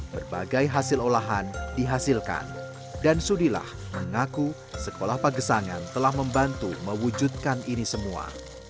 berbagai hasil olahan dihasilkan dan sudilah mengaku sekolah pagesangan telah membantu mewujudkan ini semua